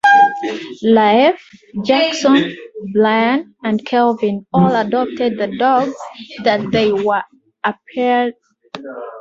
Raef, Jason, Brian and Kevin all adopted the dogs that they were paired with.